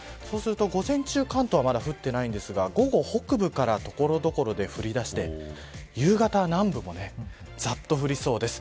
午前中、関東はまだ降っていませんが午後は北部から所々で降り出して夕方は南部もざっと降りそうです。